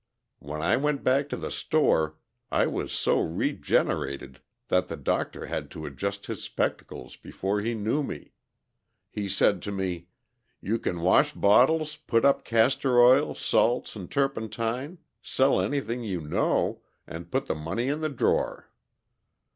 When I went back to the store, I was so regenerated that the doctor had to adjust his spectacles before he knew me. He said to me: "'You can wash bottles, put up castor oil, salts and turpentine, sell anything you know and put the money in the drawer.'